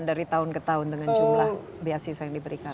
dari tahun ke tahun dengan jumlah beasiswa yang diberikan